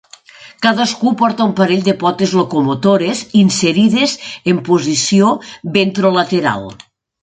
Cadascú porta un parell de potes locomotores inserides en posició ventrolateral.